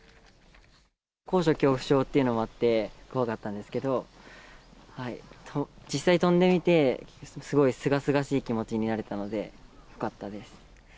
高所恐怖症っていうのもあって、怖かったんですけど、実際に飛んでみて、すごいすがすがしい気持ちになれたので、よかったです。